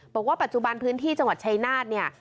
บอกว่าปัจจุบันพื้นที่จังหวัดชายนาฏเนี่ย